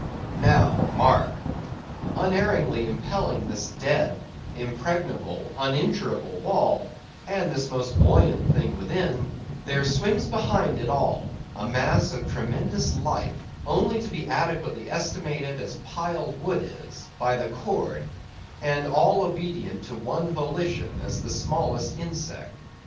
Now, mark. Unerringly impelling this dead, impregnable, uninjurable wall, and this most buoyant thing within; there swims behind it all a mass of tremendous life, only to be adequately estimated as piled wood is—by the cord; and all obedient to one volition, as the smallest insect.